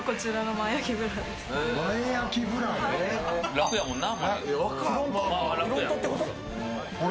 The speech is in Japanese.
楽やもんな。